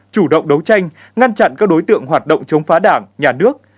chủ động đấu tranh ngăn chặn các đối tượng hoạt động chống phá đảng nhà nước